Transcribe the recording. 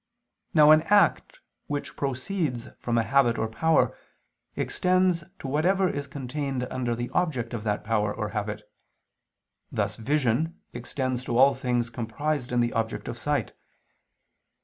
Now an act which proceeds from a habit or power extends to whatever is contained under the object of that power or habit: thus vision extends to all things comprised in the object of sight.